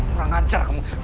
orang anjar kamu